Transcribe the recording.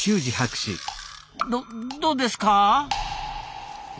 どどうですか？